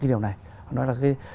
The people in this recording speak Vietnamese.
điều này họ nói là